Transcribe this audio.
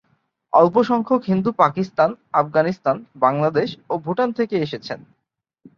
অল্প সংখ্যক হিন্দু পাকিস্তান, আফগানিস্তান, বাংলাদেশ, ও ভুটান থেকে এসেছেন।